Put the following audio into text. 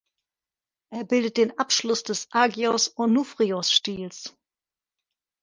Er bildet den Abschluss des Agios-Onouphrios-Stils.